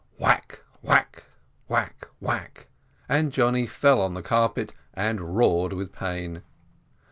Whack, whack, whack, whack; and Johnny fell on the carpet, and roared with pain.